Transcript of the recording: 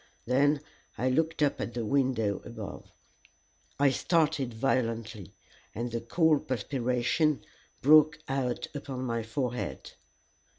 Then I looked up at the window above. I started violently, and the cold perspiration broke out upon my forehead.